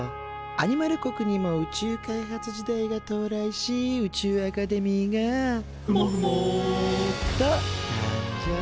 アニマル国にも宇宙開発時代が到来し宇宙アカデミーが「ふもふも」と誕生。